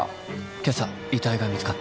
☎今朝遺体が見つかった